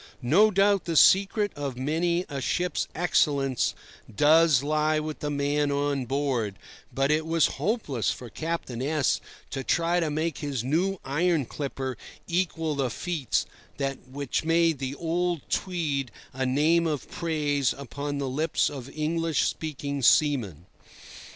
No doubt the secret of many a ship's excellence does lie with the man on board, but it was hopeless for Captain S— to try to make his new iron clipper equal the feats which made the old Tweed a name of praise upon the lips of English speaking seamen.